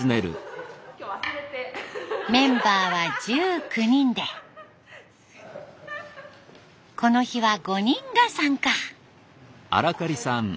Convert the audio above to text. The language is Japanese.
メンバーは１９人でこの日は５人が参加。